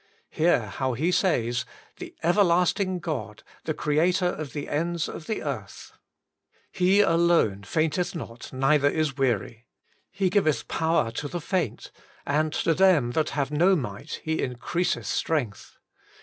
Hear how he says, ' The Everlasting God, the Creator of the ends of the earth. He " aloAe " fainteth not, neither is weary. He giveth power to the faint, and to them that have no might He increaseth strength.